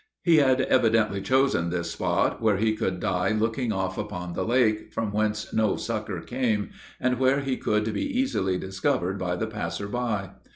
He had evidently chosen this spot where he could die looking off upon the lake, from whence no succor came, and where he could be easily discovered by the passer by.